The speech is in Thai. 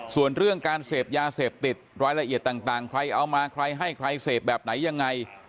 ส่วนเรื่องการเสพยาเสพติดรายละเอียดต่างใครเอามาใครให้ใครเสพแบบไหนยังไง